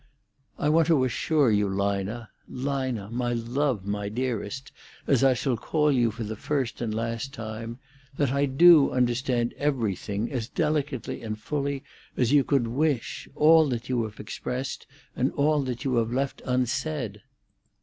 "I want to assure you, Lina—Lina, my love, my dearest, as I shall call you for the first and last time!—that I do understand everything, as delicately and fully as you could wish, all that you have expressed, and all that you have left unsaid.